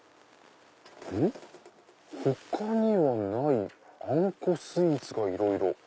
「他にはないあんこスイーツがいろいろ」。